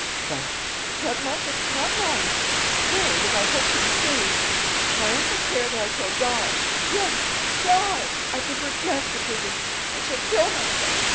"But " "That mark is not mine.... I swear it as I hope to be saved.... And I also swear that I shall die, yes, die.... I prefer death to prison.... I shall kill myself....